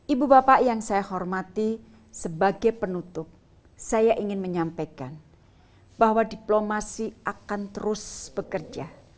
ibu bapak yang saya hormati sebagai penutup saya ingin menyampaikan bahwa diplomasi akan terus bekerja